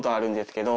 けど。